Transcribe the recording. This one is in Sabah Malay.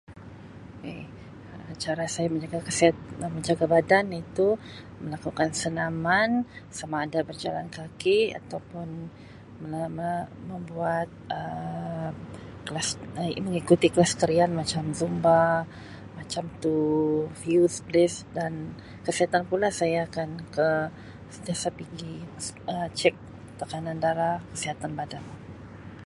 K cara saya menjaga kesihat menjaga badan iaitu melakukan senaman samaada berjalan kaki ataupun memle me-membuat Um kelas Um mengikuti kelas tarian macam zumba macam tu few of days kesihatan pula saya akan ke sentiasa pigi Um cek tekanan darah kesihatan badan.